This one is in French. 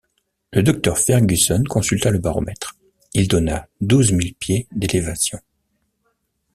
Le docteur Fergusson consulta le baromètre ; il donna douze mille pieds d’élévation.